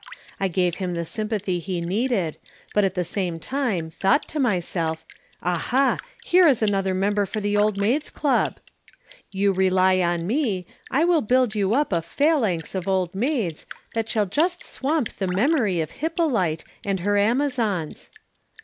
I gave him the sympathy he needed, but at the same time thought to myself, aha! here is another member for the Old Maids' Club. You rely on me, I will build you up a phalanx of Old Maids that shall just swamp the memory of Hippolyte and her Amazons.